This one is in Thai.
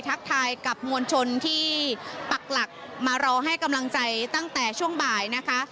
ทักทายกับมวลชนที่ปักหลักมารอให้กำลังใจตั้งแต่ช่วงบ่ายนะคะ